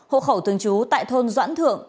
hộ khẩu thường trú tại thôn doãn thượng